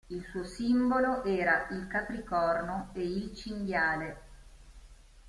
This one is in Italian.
Il suo simbolo era il capricorno e il cinghiale.